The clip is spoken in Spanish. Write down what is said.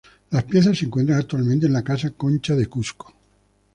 Las piezas se encuentra actualmente en la Casa Concha de Cusco.